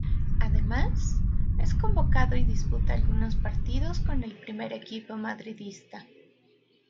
Además, es convocado y disputa algunos partidos con el primer equipo madridista.